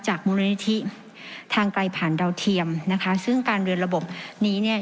มูลนิธิทางไกลผ่านดาวเทียมนะคะซึ่งการเรียนระบบนี้เนี่ย